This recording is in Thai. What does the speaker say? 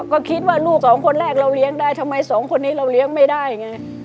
ก็คิดว่าลูกสองคนแรกเราเลี้ยงได้ทำไมสองคนนี้เราเลี้ยงไม่ได้ไง